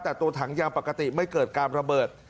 แต่ตัวถังยางปกติไม่เกิดการระเบิด